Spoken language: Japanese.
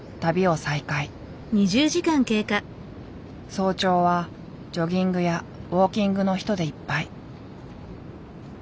早朝はジョギングやウォーキングの人でいっぱい。